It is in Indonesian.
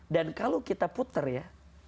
dan kalau kita putar ya